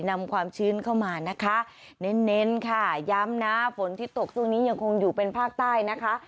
นำความชื้นเข้ามานะคะเน้นค่ะย้ำนะฝนที่ตกช่วงนี้ยังคงอยู่เป็นภาคใต้นะคะ